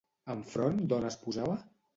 Enfront d'on es posava?